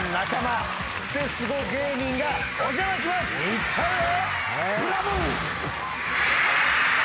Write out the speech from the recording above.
いっちゃうよ。